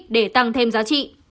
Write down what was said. để tăng thêm giá trị